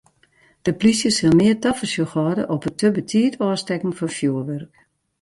De polysje sil mear tafersjoch hâlde op it te betiid ôfstekken fan fjoerwurk.